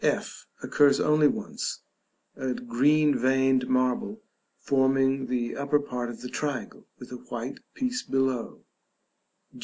f. Occurs only once, a green veined marble, forming the upper part of the triangle, with a white piece below.